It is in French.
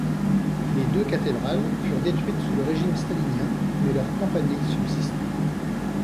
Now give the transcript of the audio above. Les deux cathédrales furent détruites sous le régime stalinien, mais leurs campaniles subsistent.